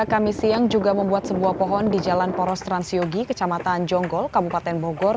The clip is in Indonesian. kami siang juga membuat sebuah pohon di jalan poros transyogi kecamatan jonggol kabupaten bogor